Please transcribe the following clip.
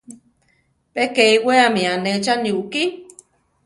Pe ke iwéami anéchani ukí.